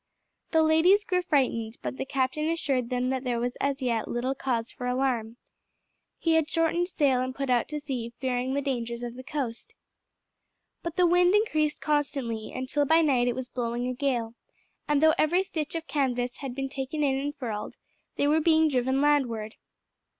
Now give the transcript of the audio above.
The ladies grew frightened, but the captain assured them there was as yet little cause for alarm. He had shortened sail and put out to sea, fearing the dangers of the coast. But the wind increased constantly until by night it was blowing a gale, and though every stitch of canvas had been taken in and furled, they were being driven landward.